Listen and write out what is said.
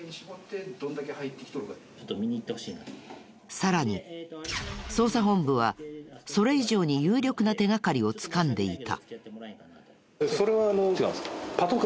さらに捜査本部はそれ以上に有力な手がかりをつかんでいた。